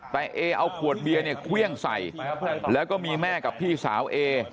แต่เอเอาขวดเบียร์เนี่ยเครื่องใส่แล้วก็มีแม่กับพี่สาวเอ